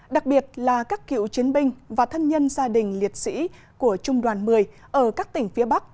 đặc biệt là các cựu chiến binh và thân nhân gia đình liệt sĩ của trung đoàn một mươi ở các tỉnh phía bắc